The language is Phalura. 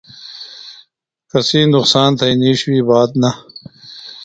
کسی نقصان تھئینی شوئی بات نہ۔